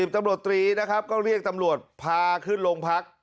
ตำรวจตรีนะครับก็เรียกตำรวจพาขึ้นโรงพัก